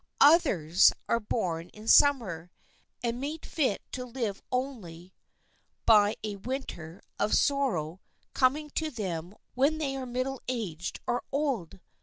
Others are born in Summer, and made fit to live only by a Winter of sorrow coming to them when they are middle aged or old.